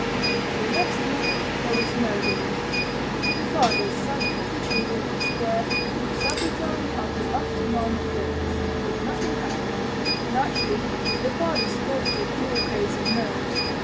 The next night there was no ghost. Two fathers sat with the children in the Square from supper time until after 9 o'clock, but nothing happened. Naturally, the fathers thought it a pure case of nerves.